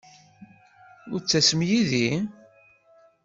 Ur d-ttasem yid-i?